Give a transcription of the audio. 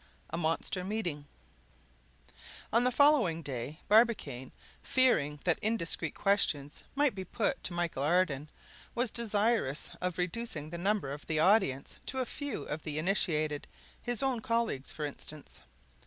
A MONSTER MEETING On the following day Barbicane, fearing that indiscreet questions might be put to Michel Ardan, was desirous of reducing the number of the audience to a few of the initiated, his own colleagues for instance.